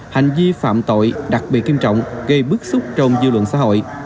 hành vi phạm tội đặc biệt kiêm trọng gây bức xúc trong dư luận xã hội